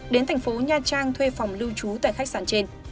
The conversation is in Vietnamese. đến thành phố nha trang thuê phòng lưu trú tại khách sạn trên